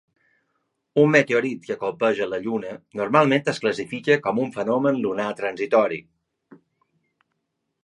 Un meteorit que colpeja la Lluna normalment es classifica com un fenomen lunar transitori.